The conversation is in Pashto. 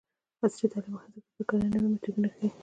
عصري تعلیم مهم دی ځکه چې د کرنې نوې میتودونه ښيي.